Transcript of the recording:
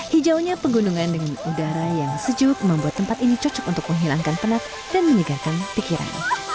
hijau nya penggunungan dengan udara yang sejuk membuat tempat ini cocok untuk menghilangkan penat dan meninggalkan pikiran